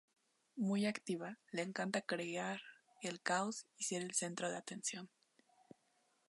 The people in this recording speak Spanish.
Muy activa, le encanta crear el caos y ser el centro de atención.